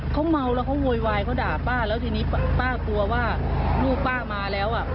เขาเมาแล้วเขาโวยวายเขาด่าป้าแล้วทีนี้ป้ากลัวว่าลูกป้ามาแล้วอ่ะ